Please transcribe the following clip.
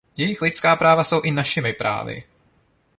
Jejich lidská práva jsou i našimi právy.